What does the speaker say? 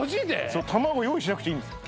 そう卵用意しなくていいんです